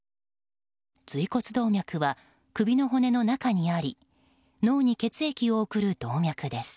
椎骨動脈は首の骨の中にあり脳に血液を送る動脈です。